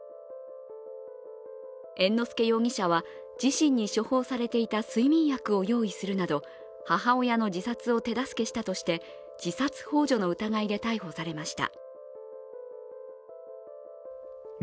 猿之助容疑者は自身に処方されていた睡眠薬を用意するなど母親の自殺を手助けしたとして自殺ほう助の疑いで逮捕されました。